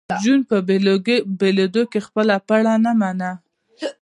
جون په بېلېدو کې خپله پړه نه منله